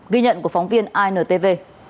ghi nhận của phóng viên intv